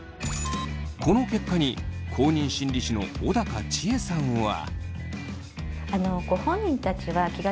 この結果に公認心理師の小高千枝さんは。